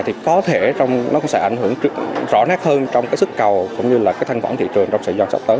thì có thể nó cũng sẽ ảnh hưởng rõ nét hơn trong cái sức cầu cũng như là cái thanh khoản thị trường trong thời gian sắp tới